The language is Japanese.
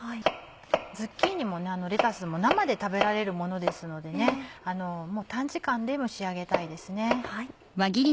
ズッキーニもレタスも生で食べられるものですので短時間で蒸し上げたいですね。